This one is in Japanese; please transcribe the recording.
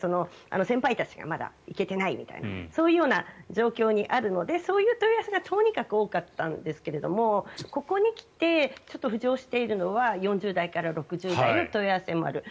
先輩たちがまだ行けてないみたいなそういうような状況にあるのでそういう問い合わせがとにかく多かったんですけれどここに来て浮上しているのは４０代から６０代の問い合わせもある。